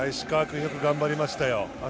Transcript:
石川君、よく頑張りましたよ。